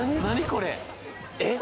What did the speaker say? これえっ？